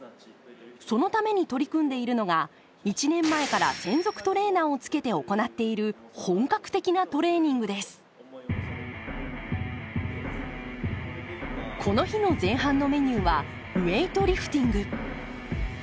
そのために取り組んでいるのが１年前から専属トレーナーをつけて行っているこの日の前半のメニューはウエイトリフティング。